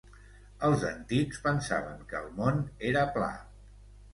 Els antics pensaven que el món era pla.